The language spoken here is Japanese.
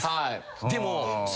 でも。